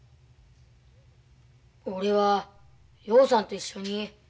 俺は陽さんと一緒に。